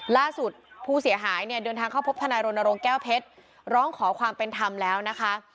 ล่าสุดผู้เสียหายเนี่ยเดินทางเข้าพบทนายรณรงค์แก้วเพชรร้องขอความเป็นธรรมแล้วนะคะ